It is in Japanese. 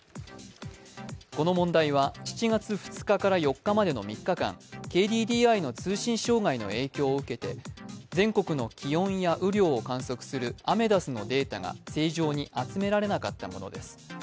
この問題は、７月２日から４日までの３日間、ＫＤＤＩの通信障害の影響を受けて全国の気温や雨量を観測するアメダスのデータが正常に集められなかったものです。